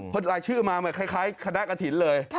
เพราะละอ่ะชื่อมาคล้ายคณะกระถินเลย